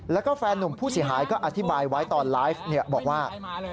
แล้วก็แฟนนุ่มผู้เสียหายก็อธิบายไว้ตอนไลฟ์บอกว่า